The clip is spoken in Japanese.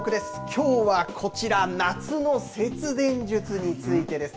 きょうはこちら、夏の節電術についてです。